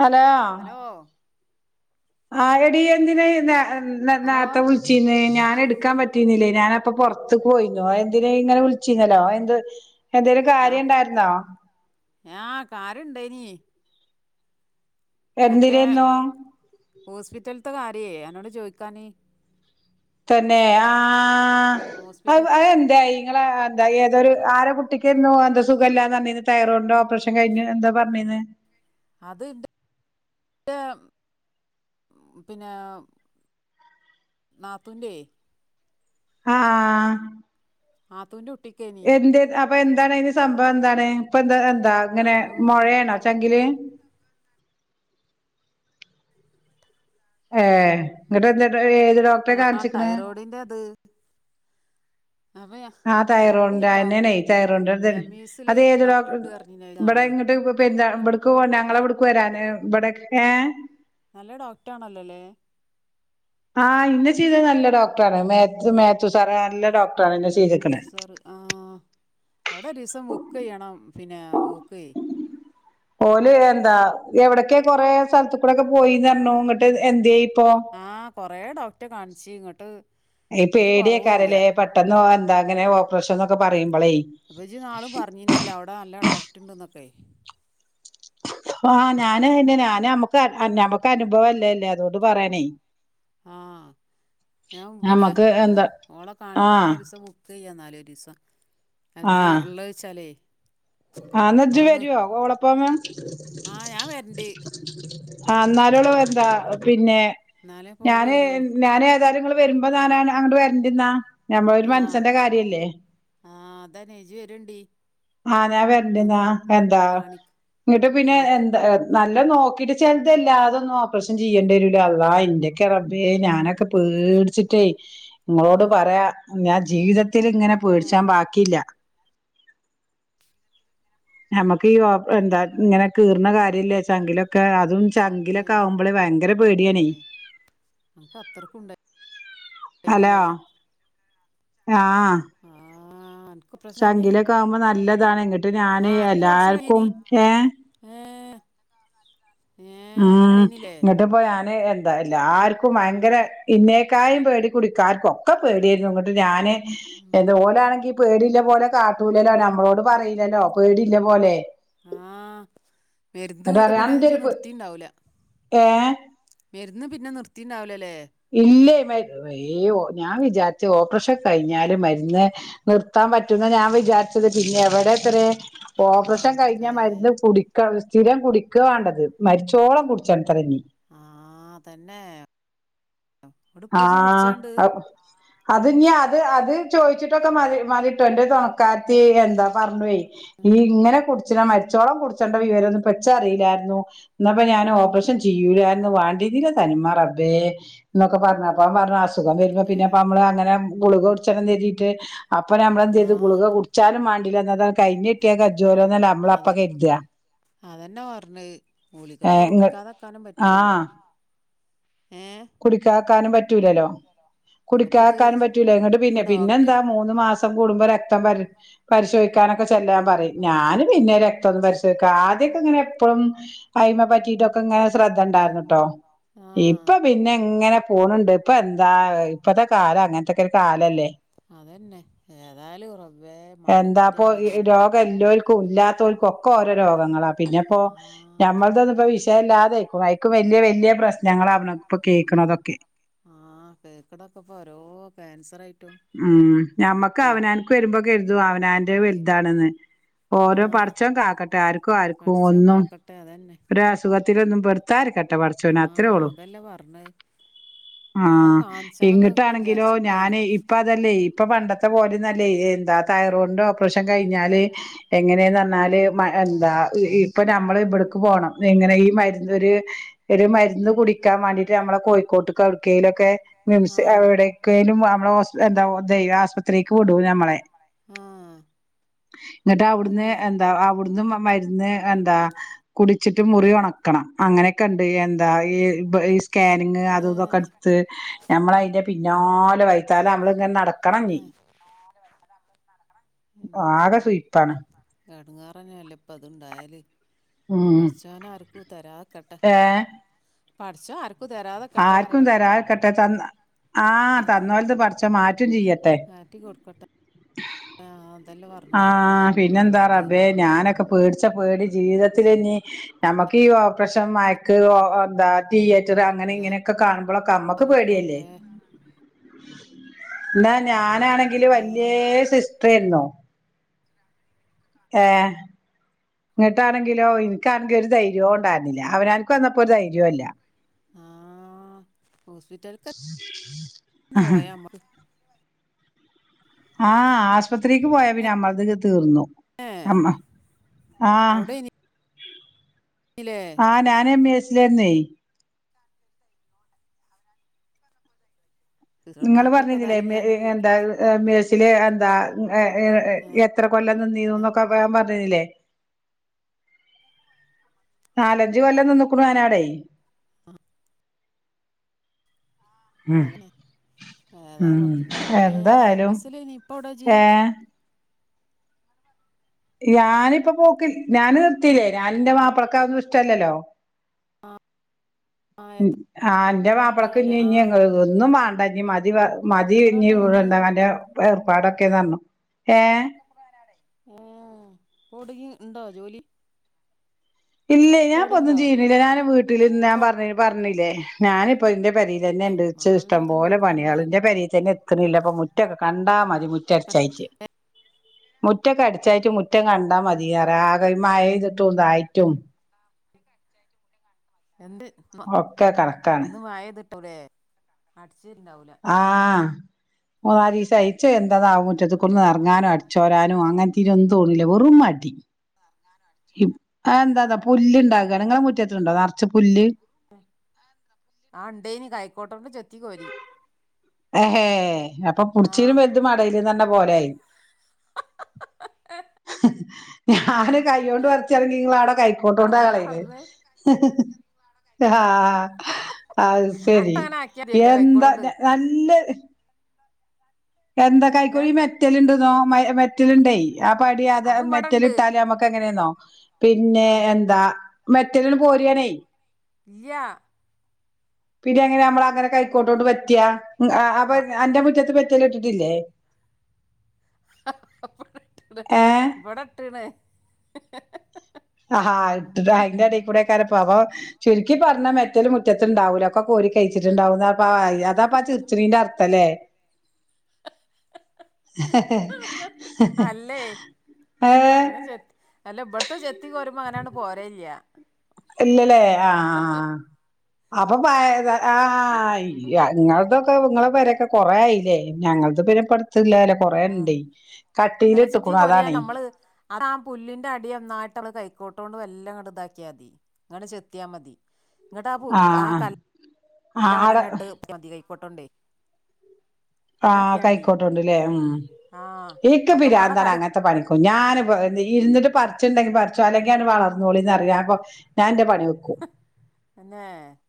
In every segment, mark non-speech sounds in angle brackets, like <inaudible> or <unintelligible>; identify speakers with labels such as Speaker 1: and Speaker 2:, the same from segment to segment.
Speaker 1: Hello
Speaker 2: hello
Speaker 1: ആഹെഡി എന്തിനെ ഇയ്യ്
Speaker 2: ഹലോ
Speaker 1: നേരത്ത വിളി - ചീഞ്യേ ഞാനടുക്കാൻ പറ്റീന്നില്ലേ ഞാനപ്പൊ പുറത്ത് പോയിന്ന എന്തിന ഇങ്ങനെ വിളിച്ചിന്നല്ലോ എന്ത് എന്തേലും കാര്യം ഉണ്ടായിരുന്നോ
Speaker 2: ആഹ് കാര്യണ്ടെന്യേ മറ്റേ
Speaker 1: എന്തിനേന്നു
Speaker 2: ഹോസ്പിറ്റലത്തെ കാര്യയേ അന്നോട് ചോയ്ക്കാൻ
Speaker 1: തന്നെ ആഹ്
Speaker 2: ഹോസ്പിറ്റൽ
Speaker 1: അയെന്തായി നിങ്ങള എന്താ ഏതൊരു ആരെ കുട്ടിക്ക് എർന്നു സുംമല്ലാന്ന്ന്ന് തൈറോയിഡന്റെ ഓപ്പറേഷൻ കഴിഞ്ഞു പറഞ്ഞീന്ന്
Speaker 2: അത് പിന്നെ <inaudible> നാത്തൂന്റെ
Speaker 1: ആഹ്
Speaker 2: നാത്തൂന്റെ കുട്ടിക്കെനി
Speaker 1: അപ്പൊ എന്താണ് അതിന് സംഭവം എന്താണ് ഇപ്പ എന്താ എന്താ ഇങ്ങനെ
Speaker 2: അത് പിന്നെ
Speaker 1: മോഴേണോ ച്ചെങ്കില് ഏഹ് ഇങ്ങട്ട് എന്ത ഏത് ഡോക്ടറെ കാണിച്ചിക്കണ
Speaker 2: അടിന്റെ അത് അപ്പം ഞാ-
Speaker 1: ആഹ്
Speaker 2: അന്നോട് ഞാൻ
Speaker 1: തൈറോയ്ഡിന്റെന്നനെ
Speaker 2: ഡോക്ടർ
Speaker 1: തൈറോയിഡെ
Speaker 2: എം ഇ എസിൽ
Speaker 1: അത് ഏത്
Speaker 2: ഡോക്ടർ
Speaker 1: ഡോക്ട
Speaker 2: ഉണ്ട് പറഞ്ഞിരുന്നു
Speaker 1: ഇവിടെ
Speaker 2: ആള്
Speaker 1: ഇങ്ങട്ട് കൊ ഇപ്പൊ എന്താ
Speaker 2: അല്ല
Speaker 1: ഇവിടക്ക് പോ ഞങ്ങളെ
Speaker 2: നല്ല
Speaker 1: ഇവിടക്ക് വരാന് ഇവിടെക്കെ
Speaker 2: നല്ല ഡോക്ടണല്ലോല്ലേ
Speaker 1: ആഹ് ഇന്ന ചെയ്തത് നല്ല ഡോക്ടറണ് മാത്യു മാത്യു സാറ നല്ല ഡോക്ടറണ് എൻ
Speaker 2: സ് സാറ് ആഹ് അവിടെ ഒരു ദിസം ബുക്കെയ്യണം പിന്നെ ഓക്കെ
Speaker 1: ഓല് എന്താ എവിടൊക്കെ കൊറെേ സ്ഥലത്ത് കൂടെക്കെ പോയിന്നറഞ്ഞു എന്നിട്ട് എന്തേ ഇപ്പൊ
Speaker 2: ആഹ് കുറേ ഡൗറ്റ് കാണിച്ച് ഇങ്ങോട്ട്
Speaker 1: ഈ
Speaker 2: ഒരു കുറവുമില്ല
Speaker 1: പേടിയൊക്കാരല്ലേ പെട്ടെന്ന് എന്താ അങ്ങനെ ഓപ്പറേഷൻ എന്നൊക്കെ പറയുമ്പോളേ
Speaker 2: അപ്പച്ചി നാൾ പറഞ്ഞിനല്ലോ അവിടെ നല്ല ഡോക്ടർ ഉണ്ടന്നൊക്കെ
Speaker 1: ആഹ് ഞാന് ന്നെ ഞാന് നമ്മക്ക് നമ്മക്ക് അനുഭവല്ലേല്ലേ അതോണ്ട് പറയണേ
Speaker 2: ആഹ് ഞാൻ പിന്നെ
Speaker 1: നമ്മക്ക്
Speaker 2: ഓ
Speaker 1: എന്താ
Speaker 2: ഓളെ
Speaker 1: ആ
Speaker 2: കാണിക്കാനെ ഒരുസ ക്ക് യ്യാം നാലൊരു ദിവസം എന്നാ ഉള്ളത് വച്ചാലേ
Speaker 1: ആഹ് ന്നാജ്ജ് വരുവോ കോളപ്പമ്
Speaker 2: ആ ഞാൻ വരണ്ട്
Speaker 1: ആഹ് എന്നാലോള എന്താ പിന്നെ
Speaker 2: എന്നാലേ ഇപ്പോൾ അവള്
Speaker 1: ഞാന്
Speaker 2: വരുള്ളൂ
Speaker 1: ഞാന ഏതായാലുങ്ങള് വരുമ്പോ ഞാനാണ് അങ്ങോട്ട് വരണ്ടിന്നാ ഞമ്മളൊരു മനസ്സന്റെ കാര്യല്ലേ
Speaker 2: ആഹ് അതാ നേജി വരണ്ടി
Speaker 1: ആഹ് ഞാൻ വരണ്ടന്നാ എന്താ
Speaker 2: കാണി
Speaker 1: ഇന്നിണ്ട് പിന്നെ
Speaker 2: കാ
Speaker 1: എന്താ നല്ല നോക്കിട്ട് ചിലത് എല്ലാതൊന്നും ഓപ്പറേഷൻ ചെയ്യേണ്ടി വരുല്ല അള്ള ഇന്റെക്കെ റബേ ഞാനൊ ക്കെ പേടിച്ചിട്ടേ നിങ്ങളോട് പറയാ ഞാൻ ജീവിതത്തിൽ ഇങ്ങനെ
Speaker 2: തന്നെ
Speaker 1: പേടിച്ചാൻ ബാക്കിയില്ല നമ്മുക്ക് ഈ ഓ എന്താ ഇങ്ങനെ കീറുന്ന കാര്യ ഇില്ലച്ചാങ്കിലൊക്കെ അതും
Speaker 2: ഉമ്മേ
Speaker 1: ചങ്കിലൊക്കെ ആവുമ്പോളേ ഭയങ്കര പേടിയാണേ
Speaker 2: എനക്ക് അത്തർക്കും ഉണ്ടാ
Speaker 1: ഹലോ ആഹ്
Speaker 2: ആഹ്
Speaker 1: ചങ്കിലൊക്കെ ആകുമ്പോ നല്ലതാണ് ന്നിട്ട് ഞാന് എല്ലാർക്കും ഏഹ്
Speaker 2: ഏഹ്
Speaker 1: ഉം
Speaker 2: കഴിഞ്ഞില്ലേ
Speaker 1: ന്ന് ട്ടപ്പോ ഞാന് എന്താ എല്ലാർക്കും വയങ്കര ഇന്നേക്കായും പേടി കുടിക്കാർക്ക് ഒക്കെ പേടിയായിരുന്നു ഇങ്ങട്ട് ഞാന് എന്ത ഓലാണെങ്കി പേടില്ല പോലെ കാട്ടൂലല്ലോ നമ്മളോട് പറയൂലല്ലോ പേടില്ലപോലെ
Speaker 2: ആഹ് പെരുന്ത് ങ്ങോട്ട്
Speaker 1: പറയാ
Speaker 2: പിന്നെ
Speaker 1: അന്റെ
Speaker 2: ജ്ജ്
Speaker 1: ഒരു
Speaker 2: നിർത്തീണ്ടവൂല
Speaker 1: ഏഹ്
Speaker 2: വരുന്ന് പിന്നെ നിർത്തിണ്ടാവൂലല്ലേ
Speaker 1: ഇല്ലേ മാ ഏഹ് ഞാൻ വിചാരിച്ച ഓപ്പറേഷൻ കഴിഞ്ഞാല് മരുന്ന് നിർത്താൻ പറ്റുന്ന ഞാൻ വിചാരിച്ചത് പിന്നെ എവിടെ എത്രേ ഓപ്പറേഷൻ കഴിഞ്ഞ
Speaker 2: റബ്ബേ
Speaker 1: മരുന്ന് കൂടി ക്ക സ്ഥിരം കുടിക്ക വേണ്ടത് മരിച്ചോളം കുടിച്ചണത്ര ഇനി
Speaker 2: ആഹ് അതെന്നെ
Speaker 1: ആഹ് അ അത് ഇഞ്ഞി അത് അത് ചോയിച്ചിട്ടൊക്കെ മതി മതിട്ടോ എന്റെ തുണക്കത്തെ എന്താ പറഞ്ഞു ഏഹ് ഈ ഇങ്ങനെ കുടിച്ചിന മരിച്ചോളം കുടിച്ചേണ്ട വിവരൊന്നും പെച്ചറിയില്ലായിരുന്നു എന്നപ്പ ഞാൻ ഓപ്പറേഷൻ ചെയ്യൂലർന്നു വേണ്ടിന്നില്ല തനിമാറബേ ന <unintelligible> പറഞ്ഞ് അപ്പം പറഞ്ഞ് ആസ് അസുഖം വരുമ്പോ പിന്നെ നമ്മള് അങ്ങന ഗുളിക കുടിച്ചെണംന്ന് തരിട്ട് അപ്പൊ നമ്മളന്ത്
Speaker 2: ആ
Speaker 1: യ്തു ഗുളിക കു ച്ചാലും മേണ്ടില്ല എന്നാതാ കഴിഞ്ഞിട്ട്യക്കജോലോന്നല്ല നമ്മളപ്പൊ കരുതാ
Speaker 2: അതെന്നെറഞ്ഞത് ഓല്ക്കപ്പ
Speaker 1: ഏഹ് ഇങ്ങ
Speaker 2: ഉടിക്കാതെക്കാനും പറ്റൂലല്ലോ
Speaker 1: ആഹ്
Speaker 2: ഏ
Speaker 1: കുടിക്കാക്കാനും പറ്റൂലല്ലോ
Speaker 2: ഇങ്ങടിപ്പത്
Speaker 1: കുടിക്കാക്കാനും പറ്റൂല ന്നിട്ട്
Speaker 2: ഇപ്പൊ
Speaker 1: പിന്നെ
Speaker 2: ഡോക്ടർ
Speaker 1: പിന്നെന്താ മു ന്ന് മാസം കുടുംബ ര ക്തം പരി പരിശോധിക്കാനൊക്കെ ചെല്ലാൻ പറയും ഞാന് പിന്നെ രക്തൊന്നും പരിശോധിക്കാം ആദ്യോകെ ഇങ്ങനെ പ്പോഴും അയിമ പറ്റിട്ടൊക്കെ ഇങ്ങനെ ശ്രദ്ധ ഉണ്ടായിരുന്നട്ടോ
Speaker 2: ആ
Speaker 1: ഇപ്പ പിന്നെ പിന്നെങ്ങനെ പോണുണ്ട് ഇപ്പൊ എന്താ ഇപ്പത്തെ കാലം അങ്ങനത്തെക്കെരു കാലല്ലേ
Speaker 2: അതന്നെ ഏതായാലും റബ്ബേ മാറി കിട്ടിയാ
Speaker 1: എന്താപ്പൊ
Speaker 2: മതിയേനി
Speaker 1: രോഗം എല്ലോർക്കും ഇല്ലാത്തോർക്കും ഒക്കെ ഓരോ രോഗങ്ങളാ പിന്നെപ്പോ
Speaker 2: ആ
Speaker 1: ഞമ്മളതൊന്നുംപ്പോ വിഷയല്ലാതായ് വയക്കും വല്യ വല്യ പ്രശ്നങ്ങളാണ്പ്പൊ കേൾക്കണതൊക്കെ
Speaker 2: ആഹ കേക്കുണൊക്കെ ഇപ്പോ ഓരോ ക്യാൻസർ ആയിക്കും
Speaker 1: ഉം ഞമ്മക്ക് അവനാനക്ക് വരുമ്പോ കരുതും അവനാന്റെ
Speaker 2: പി
Speaker 1: വലുതാണെന്ന് ഓരോ
Speaker 2: ആഹ്
Speaker 1: പടച്ചോൻ കാക്കട്ടെ ആർക്കും ആർക്കും ഒന്നും
Speaker 2: അതെന്നെ
Speaker 1: രോ അസുഖത്തിലൊന്നും പെടുത്താർക്കട്ടെ പടച്ചവനെ
Speaker 2: ആഹ്
Speaker 1: അത്രേ ഉള്ളൂ
Speaker 2: അതല്ലേ പറഞ്ഞത് ഓളെ
Speaker 1: ആഹ
Speaker 2: കാണിച്ചണംന്നൊക്കെ
Speaker 1: ഇങ്ങിട്ടാണെങ്കിലോ
Speaker 2: വിചാരിച്ചിക്കാണ്
Speaker 1: ഞാന് ഇപ്പ തല്ലേ ഇപ്പൊ പണ്ടത്തെ പോലെന്നല്ലേ എന്താ തയാറോയിഡ് പ്പറേഷൻ കഴിഞ്ഞാല് എങ്ങനെന്ന്റഞ്ഞാല് മ എന്താ ഇപ്പൊ നമ്മള് പോണം ഇങ്ങനെ ഈ മരുന്ന് ഒരു ഒരു മരുന്ന് കുടിക്കാൻ വാണ്ടീട്ട് മ്മള് കോഴിക്കോട്ട്ക്ക് അവിടുക്കേലൊകെ കിംസ്
Speaker 2: ആഹ്
Speaker 1: എവിടെക്കെലും വാ മ്മളെ ഹോസ് എന്താ ദൈവ ആസ്പത്രിക്ക് വിടൂലമ്മളെ
Speaker 2: ആഹ
Speaker 1: ന്നിട്ട് അവുടുന്ന് എന്താ അവുടുന്ന് മരുന്ന് എന്താ കുടിച്ചിട്ട് മുറി ഉണക്കണം അങ്ങനെ ക്കെണ്ട് എന്താ ഈ പ്പൊ സ്കാനിങ്
Speaker 2: അങ്ങനെയൊക്കെ ഉണ്ട്
Speaker 1: അതുംതോക്കെടുത്ത് ഞമ്മളെ അതി ന്നാലെ വയ്യത്താലെ അമ്മള് ങ്ങനെ നടക്ക
Speaker 2: <unintelligible>
Speaker 1: ആകെ സുയിപ്പാണ്
Speaker 2: ഇടങ്ങേറെന്നാലെ പ്പൊത്ണ്ടായേല്
Speaker 1: ഉം
Speaker 2: പടച്ചോനാർക്കും തരാത്ക്കട്ടെ
Speaker 1: ഏ
Speaker 2: പടച്ചോനാർ
Speaker 1: ആർക്കും തരാക്കട്ടെ തന്ന ആഹ തന്ന പോലത് പച്ച മാറ്റും ചെയ്യട്ടെ
Speaker 2: കാട്ടി കൊടുക്കോട്ടെ
Speaker 1: ആഹ
Speaker 2: ആഹ അതല്ല പറഞ്ഞ
Speaker 1: ആഹ പിന്നെന്താ റബേ ഞാനൊക്കെ പേടിച്ച പേടി ജീവിതത്തിലെന്നീ നമക്ക് ഈ പറേഷൻ മൈക്ക് എന്താ തിയേറ്റർ അങ്ങനെ ഇങ്ങനെയൊക്കെ കാണുമ്പഴൊക്കെ അമ്മക്ക്
Speaker 2: ഏതായാലും
Speaker 1: പേടിയല്ലേ
Speaker 2: റബ്ബേ
Speaker 1: എന്നാ ഞാനാണെങ്കില്
Speaker 2: ആ
Speaker 1: വലയ സിസ്റ്റർന്നോ ഏഹ ഇങ്ങിട്ടാണെങ്കിലോ എനിക്കാണെങ്കില ഒരു ധൈര്യവും ഉണ്ടായിരുന്നില്ല അവനർക്ക് വന്നപ്പോ ഒരു ധൈര്യവുല്ല
Speaker 2: ആ ഹോസ്പിറ്റൽക്കന്നെ
Speaker 1: ആഹ
Speaker 2: പോയാ നമ്മക്ക്
Speaker 1: ആഹ ആശ് പത്രിക്ക് പോയാ പിന്നെ നമ്മളക്കെ തീർന്നു അമ്മ ആഹ
Speaker 2: ഇല്ലേ
Speaker 1: ആഹ ഞാനെ <unintelligible> മ്മേസിലരുന്നേ നിങ്ങള്
Speaker 2: സിസ്റ്റർമാർക്കൊക്കെ
Speaker 1: പറഞ്ഞുന്നില്ലേ <unintelligible>
Speaker 2: ഇതായില്ലാഞ്ഞാല്
Speaker 1: എന്താ <unintelligible> ച്ച എന്താ എത്ര കൊല്ലം നിന്നീന്നൊക്കെ പറഞ്ഞുന്നില്ലേ നാലഞ്ച് കൊല്ല നിക്കക്കണു ഞാനാടേ
Speaker 2: ആഹ
Speaker 1: ഉം
Speaker 2: അതെ ഏതായാലും ഏഹ
Speaker 1: എന്തായാലും
Speaker 2: മിസ്സിലനി ഇപ്പ എവിടാ ജീ
Speaker 1: ഏഹ് ഞാനിപ്പ പോക്ക ഞാൻ
Speaker 2: ആ
Speaker 1: നിർത്തില്ലേ ഞാനിന്റെ മാപ്പിളക്കാരർന്നും ഇഷ്ടമല്ലല്ലോ
Speaker 2: ആ എത്ര
Speaker 1: ആഹ എന്റെ മാപ്പിളക്ക ഇഞ്ഞ
Speaker 2: കൊല്ലം ആ
Speaker 1: ഇനിങ്ങ ഒന്നും വേണ്ട മതി പറ മതി
Speaker 2: എത്ര കൊല്ലം നിന്ന്
Speaker 1: ഇഞ്ഞഴന്തങ്ങന്റെ ഏർപ്പാടൊക്കെ തന്നു ഏഹ
Speaker 2: ആഹ <unintelligible> ടങ്ങി ഉണ്ടോ ജോലി
Speaker 1: ഇല്ല
Speaker 2: ഇപ്പൊ
Speaker 1: ഞാൻ
Speaker 2: എവിടേലും
Speaker 1: ഇപ്പൊന്നും
Speaker 2: ഉണ്ടോ
Speaker 1: ചെയ്യുന്നില്ല ഞാൻ വീട്ടിൽ ഇന്ന് ഞാൻ പറ പറഞ്ഞില്ലേ ഞാനി ഇപ്പോ ഇന്റെ പരിയിൽ തന്നെ
Speaker 2: ഏ
Speaker 1: എണ്ട്
Speaker 2: മാപ്പിളന്റെ
Speaker 1: ഇഷ്ടം
Speaker 2: ഒച്ച
Speaker 1: പോലെ
Speaker 2: നോക്കി തന്നാല്
Speaker 1: പണിയളിന്റെ പരിയിൽന്നെ എണ മുറ്റൊക്കെ കണ്ടാ മതി മുറ്റ അരച്ചയച്ച് മുറ്റക്കെ അടിച്ചായിട്ട് മുറ്റം കണ്ടാ
Speaker 2: ആ
Speaker 1: മതിയറാകെ മയഴ്തിട്ടുംതായിട്ടും
Speaker 2: എന്ത് ന്ന്
Speaker 1: ഒക്കെ കണക്കാണ്
Speaker 2: ഇന്ന് മായത്ട്ടൂലേ. അട്ചേരിണ്ടാവൂല.
Speaker 1: ആ നാലീസായി. ഇച്ചെന്താണാവോ മുറ്റത്ത്ക്കൊന്നും
Speaker 2: ആഹ്
Speaker 1: എർങ്ങാനോ അട്ച്ചോരാനോ അങ്ങൻത്തേനൊന്നും തോന്ന്ല്ല്യ വെറും മടി.
Speaker 2: ങ്ങാനും അട്ച്ചോരാ
Speaker 1: ആ എന്താന്നോ പുല്ല്ണ്ടാകാണ് ഇ ങ്ങളെ മുറ്റത്ണ്ടോ ന്നർച്ച്പുല്ല്?
Speaker 2: ആ ഇണ്ടേനി കൈക്കോട്ടോണ്ട് ചെത്തിക്കോരി.
Speaker 1: ഹെ ഹേ അപ്പൊ പുട്ച്ചീലും
Speaker 2: ആഹ്
Speaker 1: വൽത് മടയിലന്ന പോലായി.
Speaker 2: ഏ
Speaker 1: ഞാന് കൈയ്യോട് പർച്ചാണെങ്കി ഇങ്ങളവ്ടെ
Speaker 2: അതല്ല
Speaker 1: കൈക്കോടോണ്ടകളി ണെ.
Speaker 2: പറഞ്ഞേ
Speaker 1: ആ അത് സെരി
Speaker 2: അനക്ക് അങ്ങനെ ആക്കിയാ മതിയല്ലോ
Speaker 1: എന്താ
Speaker 2: കൈക്കോട്ടോണ്ട്
Speaker 1: നല്ലെ. എന്താ കൈക്കോഴി
Speaker 2: ഏഹ്
Speaker 1: മെറ്റല്ണ്ടന്നോ മെറ്റല്ണ്ടേ. ആ പടി അത്
Speaker 2: അതും
Speaker 1: മെറ്റൽ
Speaker 2: ഇവടെണ്ട്
Speaker 1: ഇട്ടാലേ നമ്മക്ക് എങ്ങനെെന്നോ പിന്നെ
Speaker 2: ആഹ്
Speaker 1: എന്താ മെറ്റല്ട് പോരാണെ.
Speaker 2: ഇല്ല്യ.
Speaker 1: പിന്നെ എങ്ങനെ അമ്മളെ അങ്ങനെ കൈക്കോട്ടോട്ട് പറ്റ്യാ അപ്പ
Speaker 2: ആഹ്
Speaker 1: അന്റെ മുറ്റത്ത് മെറ്റല്ണ്ട്ട്ടില്ലേ?
Speaker 2: ട്ട്ണ്
Speaker 1: ഏഹ്
Speaker 2: ഇവടെട്ട്ണ്.
Speaker 1: ആഹാ ട്ട്ണ് അയ്ന്റെടെക്കൂടെയ് ക്കാരം പവം ചുര്ക്കി പറഞ്ഞാ മെറ്റല് മുറ്റത്ത്ണ്ടാവൂല ഒക്കെ കോരി കഴിച്ചിട്ട്ണ്ടാവുന്ന. പ്പ അതാപ്പ ചിർച്ച്ണേന്റർത്ഥലെ.
Speaker 2: അല്ലേ
Speaker 1: ഏഹ്
Speaker 2: അങ്ങനെ ചെത്ത് അല്ല ഇപ്ട്ത്തെ ചെത്തി കോരുമ്പോ അങ്ങനാണ്ട് പോരെേല്ല.
Speaker 1: ഇല്ലല്ലേ ആ ആ അപ്പൊ പയ ആഹ് ഇല്ല്യ ഇങ്ങൾതൊക്കെ ഇ ങ്ങളെ പെരൊക്കെ കൊറേ ആയില്ലേ ഞങ്ങൾത്ത്പ്പട്ത്തല്ലേലൊ. കൊറേ
Speaker 2: ആഹ്
Speaker 1: ഇണ്ടേ കട്ടീല് ഇട്ട്ക്കുണു അതാണേ.
Speaker 2: ഹ്. ആതാ പുല്ല്ന്റെ അടി ഒന്നായ്ട്ട്ള് കൈക്കോട്ടോണ്ട് വെല്ലങ്ങട്ട് ഇതാക്യാതി. ഇങ്ങട്ട് ചെത്ത്യാ മതി ഇങ്ങട്ട് ആ പൂ ആ
Speaker 1: ആഹ്
Speaker 2: കല്ല്
Speaker 1: ആഹ് ആഹ് ആടെ
Speaker 2: ല്ലവ്ടെന്നെട്ട് മതി കൈക്കോട്ടോണ്ടെ.
Speaker 1: ആഹ് കൈക്കോട്ടോണ്ട്ലെ മ്
Speaker 2: ആഹ്
Speaker 1: ഇൻക്ക്
Speaker 2: ഒക്കപാടെ
Speaker 1: പിരാന്താണ്
Speaker 2: കല്
Speaker 1: അങ്ങൻത്തെ പണികൊ ഞാന്പ്പം ഇര്ന്ന്ട്ട് പർച്ച്ണ്ടെങ്കി പർച്ചോ അല്ലെങ്ക്യാട് വളർന്നോളിന്ന റിം ഞാ കൊർ ഞാന്റെ പണിവെക്കും.
Speaker 2: തന്നെ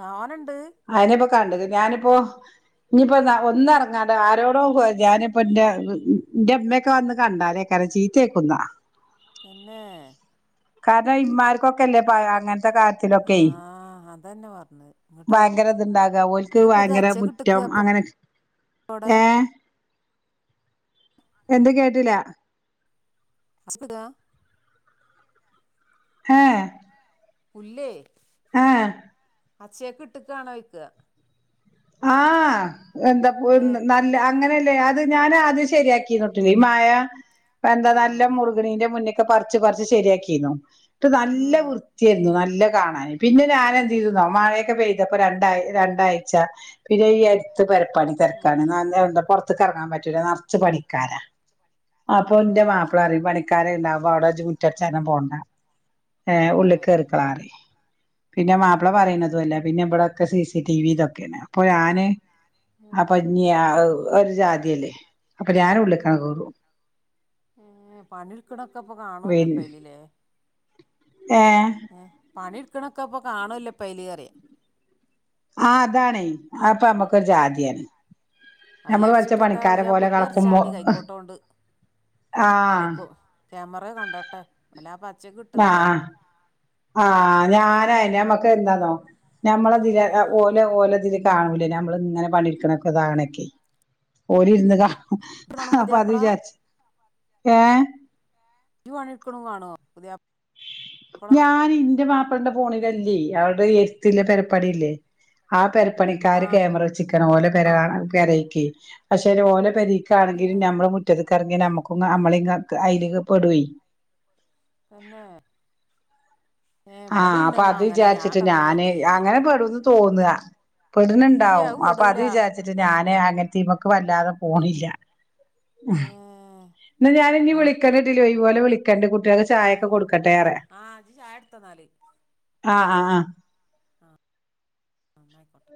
Speaker 2: തോനണ്ട്?
Speaker 1: ആരെപ്പോ കണ്ടത് ഞാനിപ്പോ ഇഞ്ഞിമ്പോ ഒന്നെറ അതാ ആരോടോ ഞാനിപ്പന്റെ ഇ ന്റെമ്മക്കെ വന്ന്ണ്ടാലേക്കാരം ചീത്തേക്കുന്നാ.
Speaker 2: തന്നേ.
Speaker 1: കാരണം ഇമ്മാർകൊക്കെല്ലെ അങ്ങൻത്തെ കാര്യം ര്യത്തിലൊക്കെ
Speaker 2: ആഹ് അതന്നെ പറഞ്ഞത് ഇങ്ങട്ട്
Speaker 1: ഭയങ്കര ഇത്ണ്ടാക ഓൽക്ക്
Speaker 2: ഇങ്ങട്ട് ഇപ്പ ഇത്
Speaker 1: ഭയങ്കര
Speaker 2: അച്ചേക്ക്
Speaker 1: മുറ്റം
Speaker 2: ഇട്ട്ക്കാ ഇപ്പൊ
Speaker 1: അങ്ങനെ
Speaker 2: അവിടെ
Speaker 1: ഏ എന്ത് കേട്ടില.
Speaker 2: <unintelligible>
Speaker 1: ഏ.
Speaker 2: പുല്ലേ.
Speaker 1: ആ.
Speaker 2: അച്ചെക്ക്ട്ടക്കാണോയ്ക്ക.
Speaker 1: ആഹ് എന്താ ഒ
Speaker 2: ഏഹ്
Speaker 1: നല്ലആ അങ്ങനല്ലേ അത് ഞാന് ആദ്യം ശരിയാക്കിന്ന്ട്ട് ഈ മഴ എന്താ നല്ല
Speaker 2: ആഹ്
Speaker 1: മു മുർക്ക്ണേന്റെമുന്നൊക്കെ പർച്ച് പർച്ച് ശരിയാക്കിന്നു എന്ന്ട്ട് നല്ല
Speaker 2: ഉം
Speaker 1: വൃത്ത്യേര്ന്നു നല്ല കാണാന്. പിന്നെ ഞാനെന്ത് ചെയ്തന്നോ മഴയൊക്കെ പെയ്തപ്പോ രണ്ട് രണ്ടാഴ്ച്ച പിന്നെ ഈ അടുത്ത് പെരപ്പണി
Speaker 2: ആഹ്
Speaker 1: തിരക്കാണ് ന്നാന്താ എന്താ പുറത്ത്ക്ക് ഇറങ്ങാൻ പറ്റൂല നറച്ച് പണിക്കാരാ അപ്പൊ എന്റെ
Speaker 2: ആഹ്
Speaker 1: മാപ്പിള പറയും പണിക്കാര് ഇണ്ടാവുമ്പോ അവിടെ ഇജ്ജ് മുറ്റടിച്ചാനൊന്നും പോണ്ടാ ഏഹ്
Speaker 2: തന്നെ
Speaker 1: ഉള്ളിക്ക് കേറിക്കോളാൻറയും പിന്നെ മാപ്പിള
Speaker 2: ഏഹ്
Speaker 1: പറയണതു അല്ല പിന്നെ ഇവിടൊക്കെ സി സി ടിവി ഇതൊക്കേണ് അപ്പൊ ഞാന്
Speaker 2: ഞാന്
Speaker 1: അപ്പ
Speaker 2: ഏഹ്
Speaker 1: ഞ്യാ ഒരു ജാതിയല്ലേ അപ്പൊ ഞാൻ ഉള്ളിക്കങ്ങ്
Speaker 2: പിന്നെ
Speaker 1: കേറും
Speaker 2: ഏഹ് പണിട്ക്കണൊക്കെ അപ്പൊ കാണുല്ലോ അപ്പയ്ലിലെ
Speaker 1: ഏഹ്
Speaker 2: എഹ് പണി ഇടുക്കണൊക്കെ അപ്പൊ കാണുല്ലോ അപ്പയ്ല്റയ
Speaker 1: ആഹ് അതാണെ അപ്പൊ നമ്മക്കൊരു ജാതിയാണ്
Speaker 2: അത്
Speaker 1: നമ്മള് വരച്ച
Speaker 2: വിചാരിച്ചിട്ടെത്താ
Speaker 1: പണിക്കാരെ
Speaker 2: ഇജ്ജ് ആ
Speaker 1: പോലെ കളക്കുമ്പോ
Speaker 2: പുല്ലറിച്ചാണ്ടി കൈക്കോട്ടോണ്ട്
Speaker 1: ആഹ്
Speaker 2: ആയിക്കോ ക്യാമറ കണ്ടോട്ടെ വല്ല പച്ച‌ക്ക് ഇട്ട്ക്ക
Speaker 1: ആഹ് ഞാനായ് ഞമ്മക്കെന്താന്നോ നമ്മളതില് ഓല ഓലതില് കാണൂല്ലെ നമ്മളിങ്ങനെ പണി ഇടുക്കണൊക്കെ ഇതാവണെക്കെ ഓലിരുന്ന് കാ
Speaker 2: ഇജ്ജ് കാണും
Speaker 1: അപ്പൊ അത്
Speaker 2: പുതിയാപ്പള
Speaker 1: വിചാരിച്ച് ഏഹ്
Speaker 2: ഇ പണി ഇടുക്കണോ കാണോ പുതിയാ
Speaker 1: ഞാൻ ഇന്റെ മാപ്പളന്റെ ഫോണിലല്ലേ അവടെ എരുത്തില്ലെ പെരപ്പണില്ലേ ആഹ്
Speaker 2: ആ
Speaker 1: പെരപ്പണിക്കാര് ക്യാമറ വച്ചിക്കണ് ഓല പെരകാണാൻ പെരേക്ക് പക്ഷേ ഓല പെരേ
Speaker 2: ഏ
Speaker 1: ക്കാണെങ്കില് നമ്മള് മുറ്റത്ത്ക്ക് ഇറങ്ങി നമ്മുക്കും നമ്മളേം <unintelligible> അയ്ലി പെടുവേ
Speaker 2: തന്നേ
Speaker 1: ആഹ് അപ്പൊ
Speaker 2: ഇണ്ടെന്നാ
Speaker 1: അത്
Speaker 2: അങ്ങനെ ഞാൻ
Speaker 1: വിചാരിച്ചിട്ട്
Speaker 2: പെട്ടെന്ന്
Speaker 1: ഞാന്
Speaker 2: മെയിൻ്റ് ചെയ്യലില്ല
Speaker 1: അങ്ങനെ പെടൂന്ന് തോന്നാ
Speaker 2: ഇല്ല
Speaker 1: കൊടിനെണ്ടാവും അപ്പൊ
Speaker 2: വിടൂല
Speaker 1: അത് വിചാരിച്ചിട്ട് ഞാന് അങ്ങനത്തെ ഇമക്ക് വല്ലാതെ പോണില്ല
Speaker 2: ഏ
Speaker 1: എന്ന ഞാന് ഇനി
Speaker 2: ആ
Speaker 1: വിളിക്കണ്ടിട്ടില്ലോ ഇത്പോലെ വിളിക്കണ്ട് കുട്ടികൾക്ക് ചായക്കെ കൊടുക്കട്ടേറെ
Speaker 2: ആഹ് ഇജ്ജ് ചായ എടുത്തോ എന്നാല്
Speaker 1: ആഹ് ആഹ് ആഹ്
Speaker 2: ആഹ് എന്നായിക്കോട്ടെ